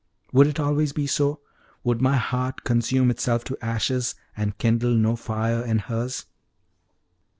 Would it always be so would my heart consume itself to ashes, and kindle no fire in hers?